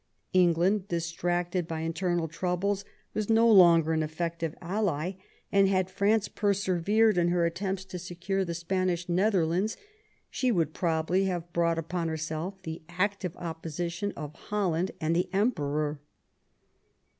England, distracted by internal troubles, was no longer an effective ally; and had France persevered in her attempts to secure the Spanish Netherlands, she would probably have brought upon herself the active opposition of Holland and the Emperor.